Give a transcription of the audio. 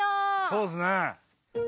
そうですね。